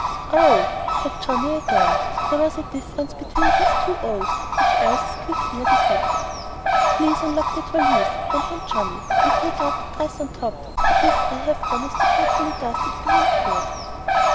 "Oh!" said Johnnie again. There was a difference between these two "ohs," which Elsie's quick ear detected. "Please unlock that valise," went on Johnnie, "and take out the dress on top. This I have on is too dreadfully dusty to be endured."